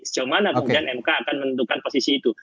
sejauh mana kemudian mk akan menentukan posisi itu